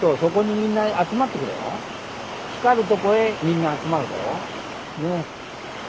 光るとこへみんな集まるんだよ。